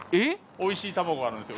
美味しい卵あるんですよ